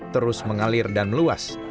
terus mengalir dan meluas